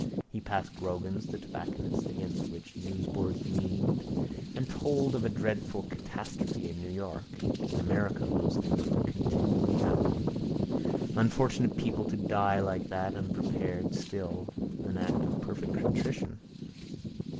He passed Grogan's the Tobacconist against which newsboards leaned and told of a dreadful catastrophe in New York. In America those things were continually happening. Unfortunate people to die like that, unprepared. Still, an act of perfect contrition.